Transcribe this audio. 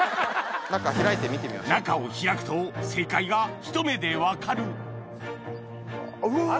中を開くと正解がひと目で分かるうわ！